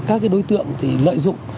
các đối tượng lợi dụng